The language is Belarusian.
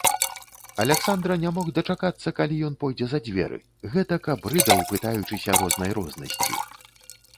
Аляксандра не мог дачакацца, калі ён пойдзе за дзверы, гэтак абрыдаў, пытаючыся рознай рознасці.